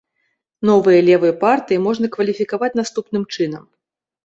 Новыя левыя партыі можна кваліфікаваць наступным чынам.